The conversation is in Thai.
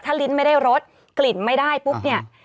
ลิ้นไม่ได้รสกลิ่นไม่ได้ปุ๊บเนี่ย